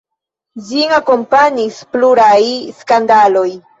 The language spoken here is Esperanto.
Ĝin akompanis pluraj skandaloj.